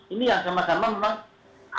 ini yang sama sama memang